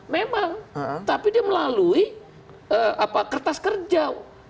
memang tapi dia melalui kertas kerja